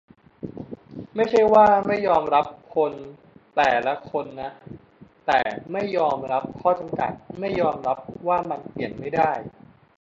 ไม่ใช่ว่าไม่ยอมรับคนแต่ละคนนะ แต่ไม่ยอมรับข้อจำกัด ไม่ยอมรับว่ามันเปลี่ยนไม่ได้